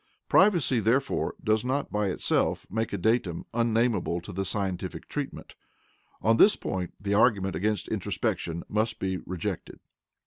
Privacy, therefore does not by itself make a datum unamenable to scientific treatment. On this point, the argument against introspection must be rejected.